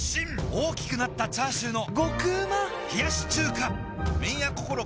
大きくなったチャーシューの麺屋こころ